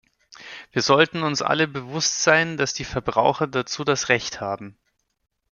Wir sollten uns alle bewusst sein, dass die Verbraucher dazu das Recht haben.